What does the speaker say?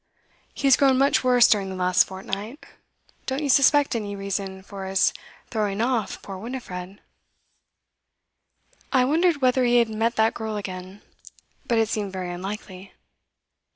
'He has grown much worse during the last fortnight. Don't you suspect any reason for his throwing off poor Winifred?' 'I wondered whether he had met that girl again. But it seemed very unlikely.